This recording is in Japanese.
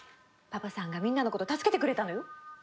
パパさんがみんなのこと助けてくれたのよ。